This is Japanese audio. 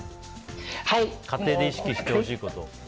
家庭で意識してほしいこと。